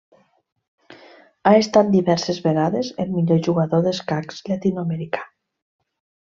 Ha estat diverses vegades el millor jugador d'escacs llatinoamericà.